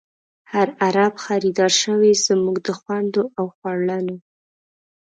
هر عرب خریدار شوۍ، زمونږ د خوندو او خور لڼو